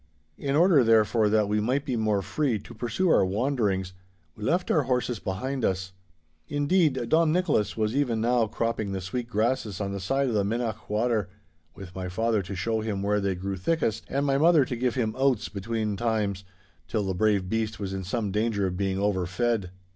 In order, therefore, that we might be more free to pursue our wanderings, we left our horses behind us. Indeed, Dom Nicholas was even now cropping the sweet grasses on the side of the Minnoch water, with my father to show him where they grew thickest and my mother to give him oats between times, till the brave beast was in some danger of being overfed.